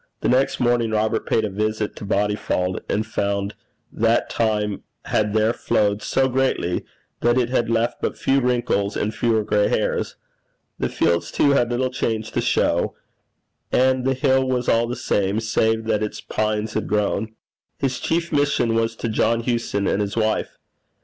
The next morning Robert paid a visit to Bodyfauld, and found that time had there flowed so gently that it had left but few wrinkles and fewer gray hairs. The fields, too, had little change to show; and the hill was all the same, save that its pines had grown. His chief mission was to John Hewson and his wife.